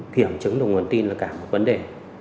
kiểm chứng được nguồn tin là cả một vấn đề